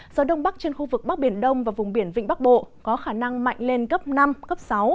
gió đông bắc trên khu vực bắc biển đông và vùng biển vịnh bắc bộ có khả năng mạnh lên cấp năm cấp sáu